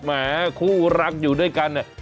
แหมคู่รักอยู่ด้วยกันเนี่ย